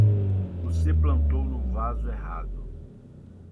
Você plantou no vaso errado!